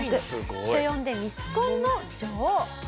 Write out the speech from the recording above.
人呼んでミスコンの女王。